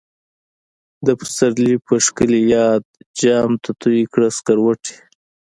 د پسرلی په شکلی یاد، جام ته تویی کړه سکروټی